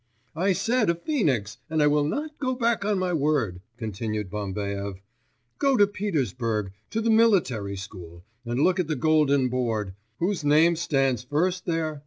'I said a phœnix, and I will not go back from my word,' continued Bambaev; 'go to Petersburg, to the military school, and look at the golden board; whose name stands first there?